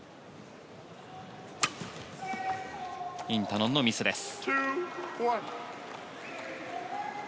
インタノンのミスです。